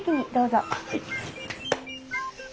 はい。